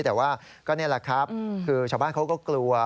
แต่ว่าก็นี่แหละครับคือชาวบ้านเขาก็กลัว